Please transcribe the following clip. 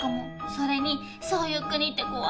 それにそういう国って怖い。